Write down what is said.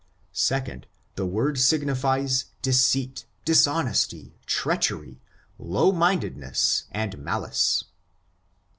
Second, the word signifies deceit, dis honesty, treachery, low mindedness, and malice.